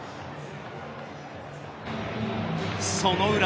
その裏。